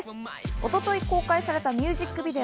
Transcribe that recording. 一昨日公開されたミュージックビデオ。